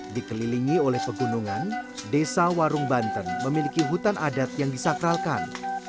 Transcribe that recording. dikelilingi oleh pegunungan desa warung banten memiliki hutan adat yang disakralkan